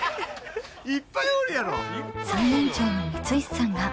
いっぱいおるやろ。